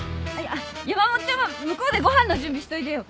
やまもっちゃんは向こうでご飯の準備しといでよ。